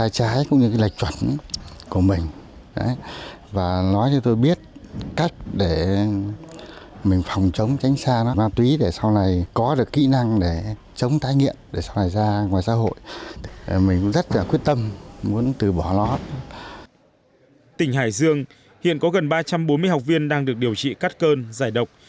tỉnh hải dương hiện có gần ba trăm bốn mươi học viên đang được điều trị cắt cơn giải độc